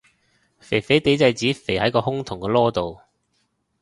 肥肥哋係指肥喺個胸同個籮度